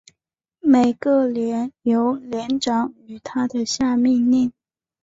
每个连由连长与他的下命令。